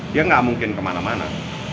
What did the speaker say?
dia nggak mungkin kemana mana